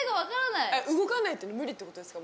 動かないと無理ってことですか？